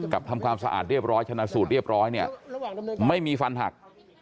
ทำความสะอาดเรียบร้อยชนะสูตรเรียบร้อยเนี่ยไม่มีฟันหัก